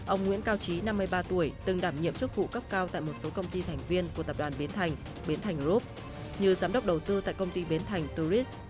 ông nguyễn cao trí năm mươi ba tuổi từng đảm nhiệm chức vụ cấp cao tại một số công ty thành viên của tập đoàn bến thành bến thành group như giám đốc đầu tư tại công ty bến thành tourist